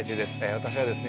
私はですね